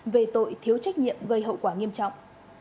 về tội thiếu trách nhiệm gây hậu quả nghiêm trọng